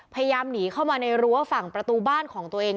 พยายามหนีเข้ามาในรั้วฝั่งประตูบ้านของตัวเอง